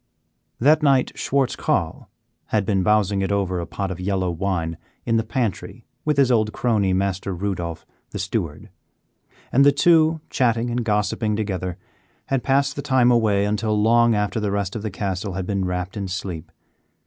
That night Schwartz Carl had been bousing it over a pot of yellow wine in the pantry with his old crony, Master Rudolph, the steward; and the two, chatting and gossiping together, had passed the time away until long after the rest of the castle had been wrapped in sleep.